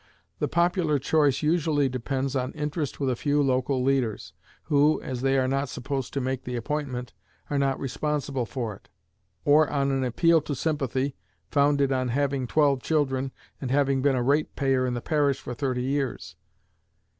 The popular choice usually depends on interest with a few local leaders, who, as they are not supposed to make the appointment, are not responsible for it; or on an appeal to sympathy, founded on having twelve children, and having been a rate payer in the parish for thirty years.